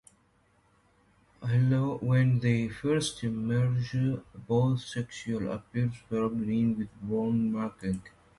When they first emerge, both sexes appear pale green with brown markings.